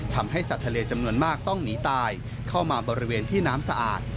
ทำให้สัตว์ทะเลจำนวนมากต้องหนีตายเข้ามาบริเวณที่น้ำสะอาด